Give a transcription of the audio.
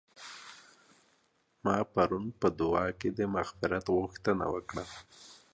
ما پرون په دعا کي د مغفرت غوښتنه وکړه.